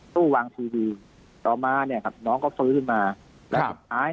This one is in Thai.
ตู้วางทีวีต่อมาเนี่ยครับน้องก็ฟื้นขึ้นมาแล้วสุดท้าย